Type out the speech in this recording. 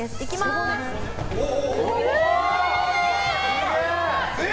すげえ！